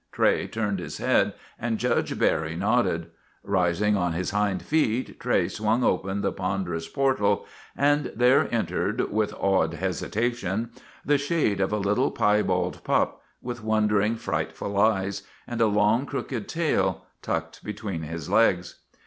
Tray turned his head and Judge Barry nodded. Rising on his hind feet Tray swung open the pon derous portal, and there entered, with awed hesita tion, the shade of a little, piebald pup, with wonder ing, frightened eyes and a long, crooked tail tucked between his legs.